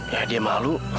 ya dia malu